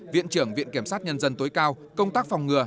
viện trưởng viện kiểm sát nhân dân tối cao công tác phòng ngừa